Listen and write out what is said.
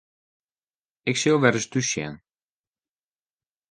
Ik sil wer ris thús sjen.